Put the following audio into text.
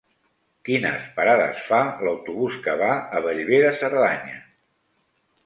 Quines parades fa l'autobús que va a Bellver de Cerdanya?